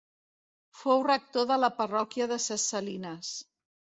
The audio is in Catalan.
Fou rector de la parròquia de Ses Salines.